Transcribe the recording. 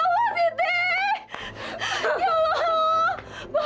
ya ada pak